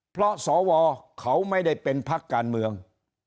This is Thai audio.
เพราะสวเขาไม่ได้เป็นพักการเมือง